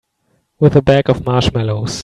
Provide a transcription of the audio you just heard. With a bag of marshmallows.